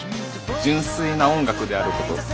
純粋な音楽であること。